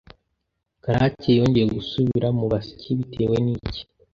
Karake yongeye gusubira mu basyi bitewe n’iki